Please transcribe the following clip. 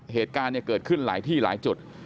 เหตุการณ์เกิดขึ้นหลายที่หลายจุด